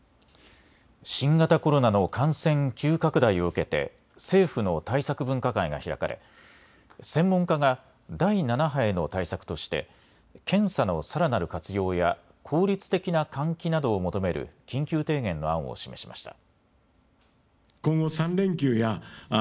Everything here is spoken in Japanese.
新型コロナの感染急拡大を受けて政府の対策分科会が開かれ専門家が第７波への対策として検査のさらなる活用や効率的な換気などを求める緊急提言の案を示しました。